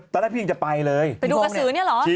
ตอนแรกพี่ยังจะไปเลยไปดูอสื้อนี้หรอ